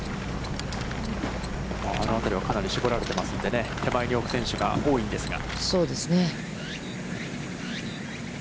あのあたりは、かなり絞られていますので、手前に置く選手が多いんですが。